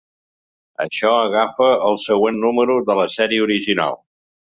Això agafa el següent número de la sèrie original.